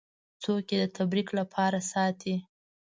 څوک یې د تبرک لپاره ساتي.